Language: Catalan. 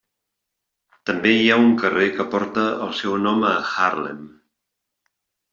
També hi ha un carrer que porta el seu nom a Haarlem.